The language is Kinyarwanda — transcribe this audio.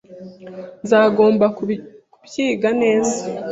Nzagomba kubyiga neza.